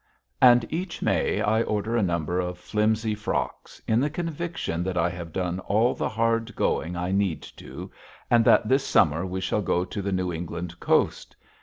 And each May I order a number of flimsy frocks, in the conviction that I have done all the hard going I need to, and that this summer we shall go to the New England coast.